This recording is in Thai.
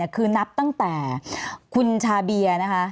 คือนับตั้งแต่คุณชาเบียนะคะ